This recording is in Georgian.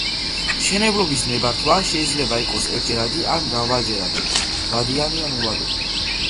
მშენებლობის ნებართვა შეიძლება იყოს ერთჯერადი ან მრავალჯერადი, ვადიანი ან უვადო.